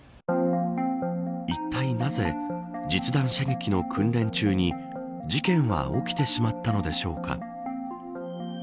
いったいなぜ実弾射撃の訓練中に事件は起きてしまったのでしょうか。